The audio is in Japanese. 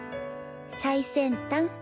最先端。